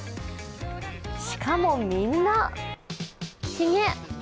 しかもみんな、ヒゲ！